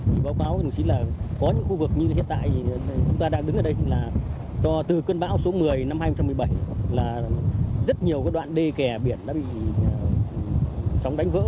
thì báo cáo với đồng chí là có những khu vực như hiện tại chúng ta đang đứng ở đây là do từ cơn bão số một mươi năm hai nghìn một mươi bảy là rất nhiều đoạn đê kè biển đã bị sóng đánh vỡ